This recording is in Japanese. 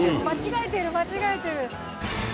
間違えてる間違えてる。